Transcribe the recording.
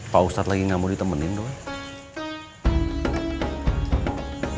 pak ustadz lagi tidak mau ditemenin doang